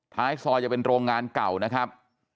ท้ายซอยจะเป็นโรงงานเก่านะครับ